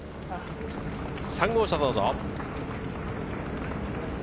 ３号車どうぞ。